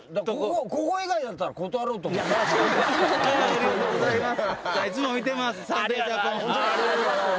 ありがとうございます。